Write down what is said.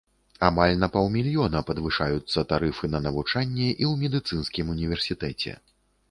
Амаль на паўмільёна падвышаюцца тарыфы на навучанне і ў медыцынскім універсітэце.